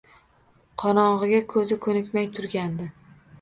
Qorong‘iga ko‘zi ko‘nikmay turgandi